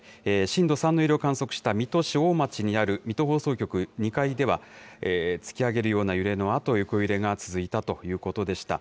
震度３の揺れを観測した水戸市おお町にある水戸放送局２階では、突き上げるような揺れのあと、横揺れが続いたということでした。